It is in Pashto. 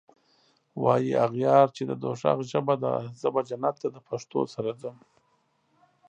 واي اغیار چی د دوږخ ژبه ده زه به جنت ته دپښتو سره ځم